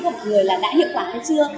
của mọi người là đã hiệu quả hay chưa